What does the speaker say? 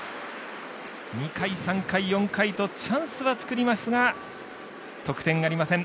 ２回、３回、４回とチャンスは作りますが得点ありません。